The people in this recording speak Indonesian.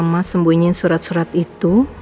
mama sembunyi surat surat itu